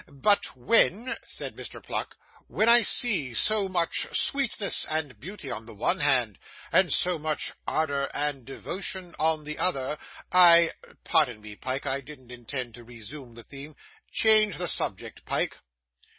'But when,' said Mr. Pluck, 'when I see so much sweetness and beauty on the one hand, and so much ardour and devotion on the other, I pardon me, Pyke, I didn't intend to resume that theme. Change the subject, Pyke.